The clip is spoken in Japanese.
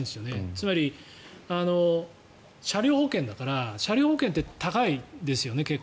つまり、車両保険だから車両保険って結構高いですよね。